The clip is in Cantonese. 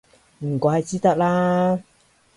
唔怪之得啦